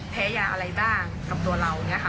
แพ้ยาอะไรบ้างกับตัวเรา